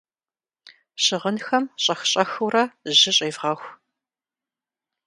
Щыгъынхэм щӀэх-щӀэхыурэ жьы щӏевгъэху.